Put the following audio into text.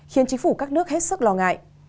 khiến chính phủ các nước hết sức lo ngại